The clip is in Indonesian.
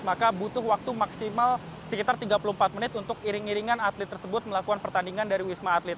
maka butuh waktu maksimal sekitar tiga puluh empat menit untuk iring iringan atlet tersebut melakukan pertandingan dari wisma atlet